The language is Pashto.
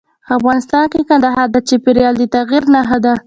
افغانستان کې کندهار د چاپېریال د تغیر نښه ده.